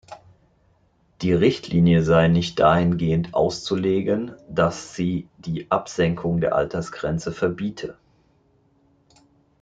Die Richtlinie sei nicht dahingehend auszulegen, dass sie die Absenkung der Altersgrenze verbiete.